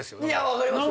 分かります。